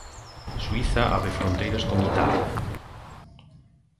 Suíza abre fronteiras con Italia.